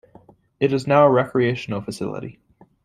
It is now a recreational facility.